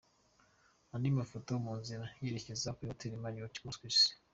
Andi mafoto: Mu nzira zerekeza kuri Hotel Marriot Marquis.